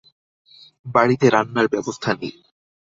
বাড়িতে রান্নার ব্যবস্থা নেই।